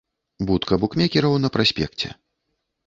Будка букмекераў на праспекце.